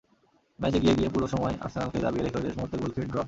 ম্যাচে এগিয়ে গিয়ে, পুরোটা সময় আর্সেনালকে দাবিয়ে রেখেও শেষ মুহূর্তে গোল খেয়ে ড্র।